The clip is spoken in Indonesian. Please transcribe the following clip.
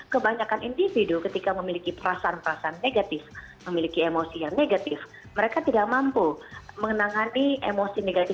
kebanyakan individu ketika memiliki perasaan perasaan negatif memiliki emosi yang negatif mereka tidak mampu menangani emosi negatif